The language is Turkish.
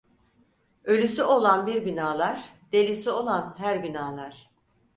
Ölüsü olan bir gün ağlar; delisi olan her gün ağlar.